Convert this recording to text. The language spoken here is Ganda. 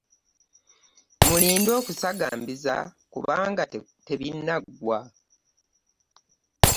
Mulinde okusagambiza kubanga tebinnaggwa.